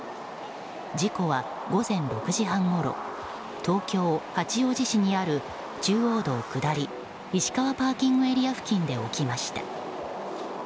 事故は午前６時半ごろ東京・八王子市にある中央道下り石川ＰＡ付近で起きました。